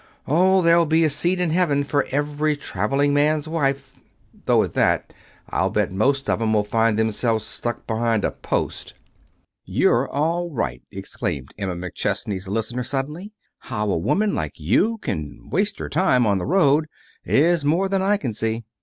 Oh, there'll be a seat in Heaven for every traveling man's wife though at that, I'll bet most of 'em will find themselves stuck behind a post." "You're all right!" exclaimed Emma McChesney's listener, suddenly. "How a woman like you can waste her time on the road is more than I can see.